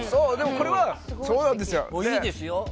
それはそうなんですよ。